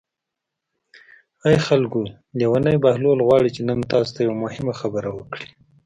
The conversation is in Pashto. ای خلکو لېونی بهلول غواړي چې نن تاسو ته یوه مهمه خبره وکړي.